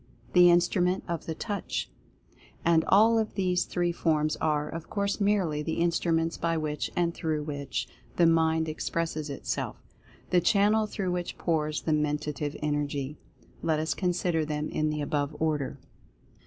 The Instrument of the Touch; and all of these three forms are, of course, merely the Instruments by which, and through which, the Mind expresses itself — the channel through which pours the Mentative Energy. Let us consider them in the above order.